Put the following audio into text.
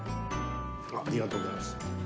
ありがとうございます。